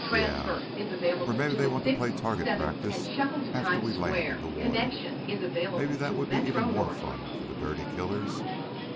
"Yeah! Or maybe they want to play target practice after we land in the water. Maybe that would be even more fun for the dirty killers.